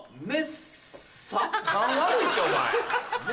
勘悪いってお前。